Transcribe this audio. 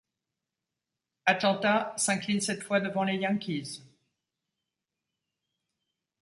Atlanta s'incline cette fois devant les Yankees.